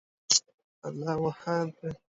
امونه ډېره اندازه شکر لري